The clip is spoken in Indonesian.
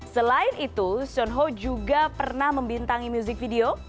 selain itu so eun ho juga pernah membintangi music video